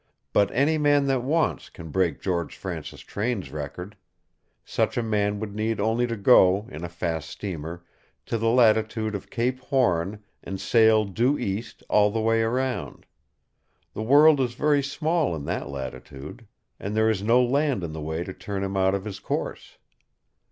But any man that wants can break George Francis Train's record. Such a man would need only to go, in a fast steamer, to the latitude of Cape Horn, and sail due east all the way around. The world is very small in that latitude, and there is no land in the way to turn him out of his course.